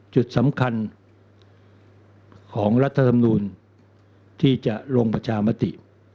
จุดสำคัญของรัฐธรรมนูลที่จะลงประชามติ